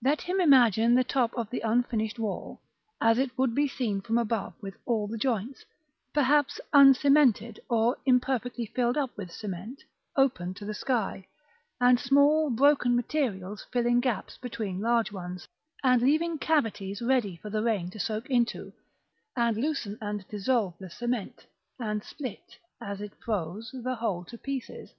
Let him imagine the top of the unfinished wall, as it would be seen from above with all the joints, perhaps uncemented, or imperfectly filled up with cement, open to the sky; and small broken materials filling gaps between large ones, and leaving cavities ready for the rain to soak into, and loosen and dissolve the cement, and split, as it froze, the whole to pieces.